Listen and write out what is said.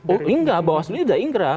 oh enggak bawaslu ini sudah inkrah